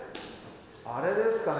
あれですかね？